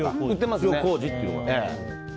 塩麹っていうのが。